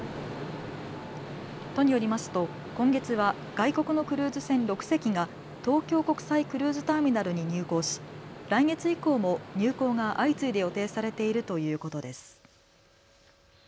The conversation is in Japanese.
都によりますと今月は外国のクルーズ船６隻が東京国際クルーズターミナルに入港し来月以降も入港が相次いで予定されているということです。